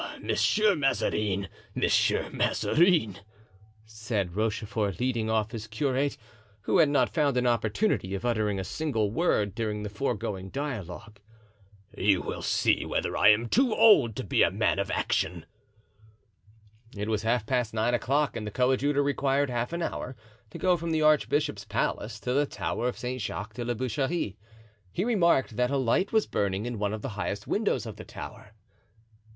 "Ah, Monsieur Mazarin, Monsieur Mazarin," said Rochefort, leading off his curate, who had not found an opportunity of uttering a single word during the foregoing dialogue, "you will see whether I am too old to be a man of action." It was half past nine o'clock and the coadjutor required half an hour to go from the archbishop's palace to the tower of St. Jacques de la Boucherie. He remarked that a light was burning in one of the highest windows of the tower.